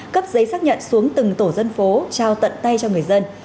cấp giấy xác nhận xuống từng tổ dân phố trao tận tay cho người dân